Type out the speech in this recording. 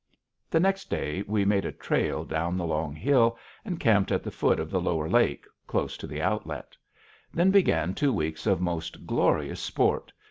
The next day we made a trail down the long hill, and camped at the foot of the lower lake, close to the outlet. Then began two weeks of most glorious sport.